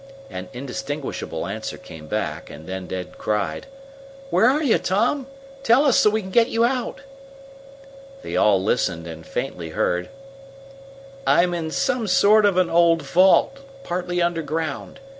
An indistinguishable answer came back, and then Ned cried: "Where are you, Tom? Tell us, so we can get you out!" They all listened, and faintly heard: "I'm in some sort of an old vault, partly underground.